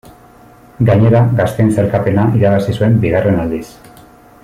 Gainera gazteen sailkapena irabazi zuen bigarren aldiz.